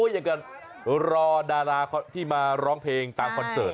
อย่างนั้นรอดาราที่มาร้องเพลงตามคอนเสิร์ต